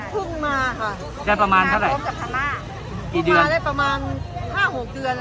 พึ่งมาค่ะได้ประมาณเท่าไหร่กี่เดือนได้ประมาณห้าหกเดือน